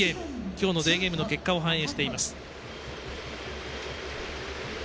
今日のデーゲームの結果反映しています。